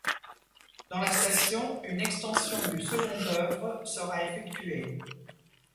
Dans la station, une extension du second oeuvre sera effectuée.